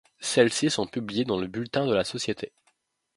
Celles-ci sont publiées dans le bulletin de la société.